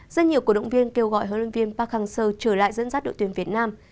rất nhiều cổ động viên kêu gọi huấn luyện viên park hang seo trở lại dẫn dắt đội tuyển việt nam